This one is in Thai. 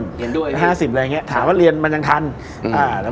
เรียนด้วยห้าสิบอะไรอย่างเงี้ถามว่าเรียนมันยังทันอ่าแล้ว